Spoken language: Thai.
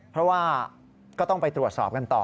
เพราะว่าก็ต้องไปตรวจสอบกันต่อ